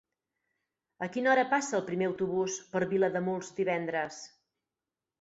A quina hora passa el primer autobús per Vilademuls divendres?